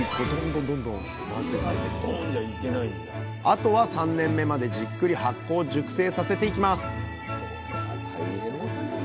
あとは３年目までじっくり発酵・熟成させていきます